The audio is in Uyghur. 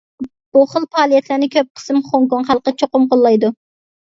بۇ خىل پائالىيەتلەرنى كۆپ قىسىم خوڭكوڭ خەلقى چوقۇم قوللايدۇ.